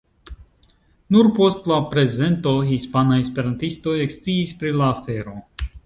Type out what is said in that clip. Nur post la prezento hispanaj esperantistoj eksciis pri la afero.